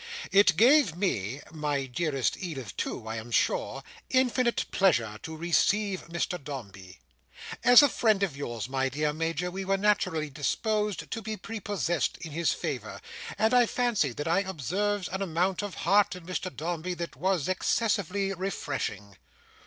"It gave me (my dearest Edith too, I am sure) infinite pleasure to receive Mr Dombey. As a friend of yours, my dear Major, we were naturally disposed to be prepossessed in his favour; and I fancied that I observed an amount of Heart in Mr Dombey, that was excessively refreshing."